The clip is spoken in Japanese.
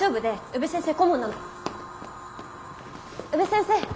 宇部先生！